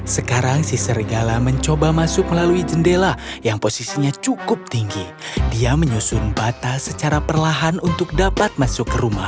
sekarang si serigala mencoba masuk melalui jendela yang posisinya cukup tinggi dia menyusun bata secara perlahan untuk dapat masuk ke rumah